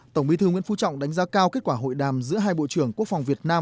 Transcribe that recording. tổng bí thư nguyễn phú trọng đánh giá cao kết quả hội đàm giữa hai bộ trưởng quốc phòng việt nam